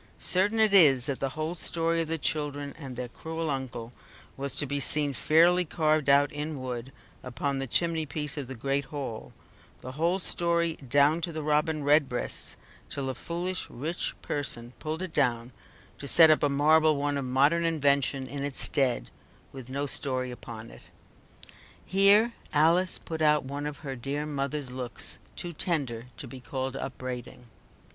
Certain it is that the whole story of the children and their cruel uncle was to be seen fairly carved out in wood upon the chimney piece of the great hall, the whole story down to the Robin Redbreasts, till a foolish rich person pulled it down to set up a marble one of modern invention in its stead, with no story upon it. Here Alice put out one of her dear mother's looks, too tender to be called upbraiding.